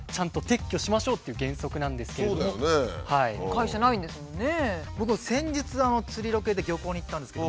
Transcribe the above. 会社ないんですもんね。